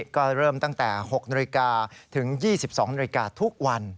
ก็เริ่มตั้งแต่๖นาฬิกาถึง๒๒นาฬิกาทุกวัน